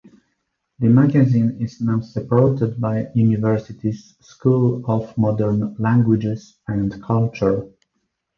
The magazine is now supported by the University's School of Modern Languages and Culture.